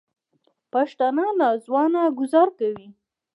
پښتانه نا ځوانه ګوزار کوي